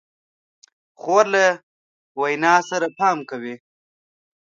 خور له وینا سره پام کوي.